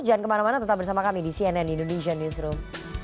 jangan kemana mana tetap bersama kami di cnn indonesian newsroom